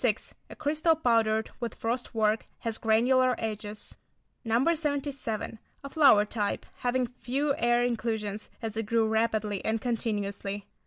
A crystal powdered with frost work; has granular edges. No. 77. A flower type, having few air inclusions, as it grew rapidly and continuously.